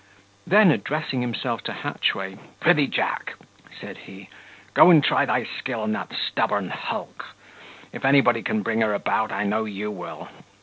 Then, addressing himself to Hatchway, "Prithee, Jack," said he, "go and try thy skill on that stubborn hulk: if anybody can bring her about, I know you wool."